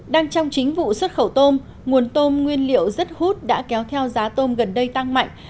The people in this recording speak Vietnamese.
đang trong chính vụ xuất khẩu tôm nguồn tôm nguyên liệu rất hút đã kéo theo giá tôm gần đây tăng mạnh